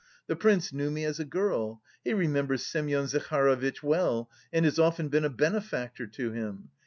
The prince knew me as a girl; he remembers Semyon Zaharovitch well and has often been a benefactor to him.